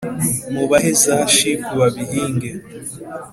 mubahe za shiku babihinge